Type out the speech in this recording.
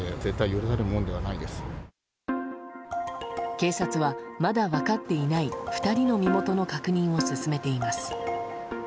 警察は、まだ分かっていない２人の身元の確認を進めています。